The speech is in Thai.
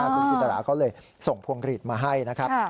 คุณจินตราเขาเลยส่งพวงกรีดมาให้นะครับ